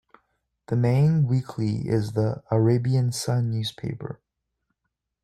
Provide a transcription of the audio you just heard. The main weekly is the "Arabian Sun " newspaper.